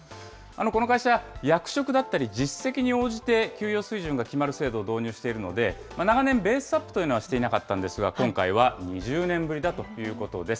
この会社、役職だったり実績に応じて給与水準が決まる制度を導入しているので、長年、ベースアップというのはしていなかったんですが、今回は２０年ぶりだということです。